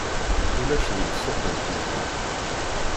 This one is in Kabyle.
Ulac deg ssuq-ik ziɣ!